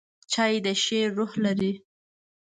چای د شعر روح لري.